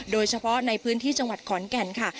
โดยเฉพาะในพื้นที่จังหวัดขอนแก่นค่ะ